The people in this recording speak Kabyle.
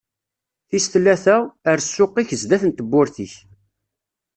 Tis tlata: Err ssuq-ik sdat n tewwurt-ik.